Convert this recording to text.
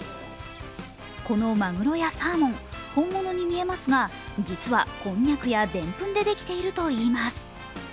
このマグロやサーモン、本物に見えますが、実はこんにゃくやでんぷんでできているといいます。